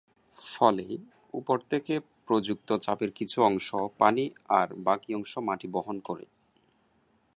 ফলে, উপর থেকে প্রযুক্ত চাপের কিছু অংশ পানি আর বাকি অংশ মাটি বহন করে।